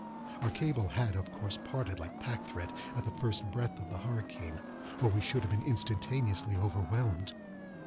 Our cable had, of course, parted like pack thread, at the first breath of the hurricane, or we should have been instantaneously overwhelmed.